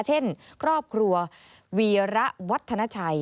เช่นครอบครัววีระวัฒนาชัย